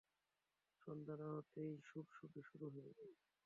সন্ধা না হতেই সুড়সুড়ি শুরু হয়ে যায়!